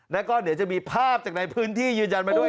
แล้วก็เดี๋ยวจะมีภาพจากในพื้นที่ยืนยันมาด้วย